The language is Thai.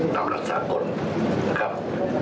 ตามรัฐสาหกฎนะครับ